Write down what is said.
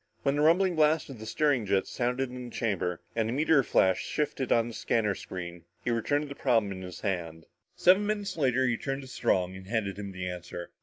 When the rumbling blast of the steering jets sounded in the chamber and the meteor flash shifted on the scanner screen, he returned to the problem in his hand. Seven minutes later he turned to Strong and handed him the answer.